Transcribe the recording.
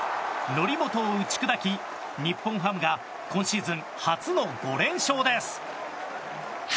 則本を打ち砕き、日本ハムが今シーズン初の５連勝です。